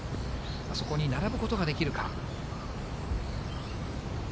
そこに並ぶことができるか。